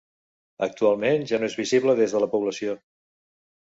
Actualment, ja no és visible des de la població.